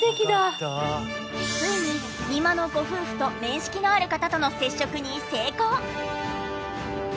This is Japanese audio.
ついに美馬のご夫婦と面識のある方との接触に成功！